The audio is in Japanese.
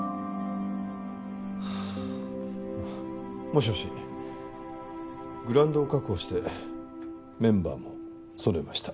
もしもしグラウンドを確保してメンバーも揃えました